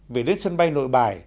về đến sân bay nội bài